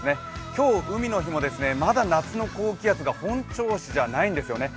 今日、海の日もまだ夏の高気圧が本調子じゃないんですよね。